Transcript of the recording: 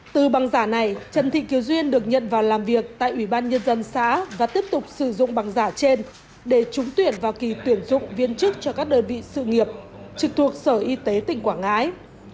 từ bằng giả này trần thị kiều duyên được nhận vào làm việc tại ủy ban nhân dân xã và tiếp tục sử dụng bằng giả trên để trúng tuyển vào kỳ tuyển dụng viên chức cho các đơn vị sự nghiệp trực thuộc sở y tế tỉnh quảng ngãi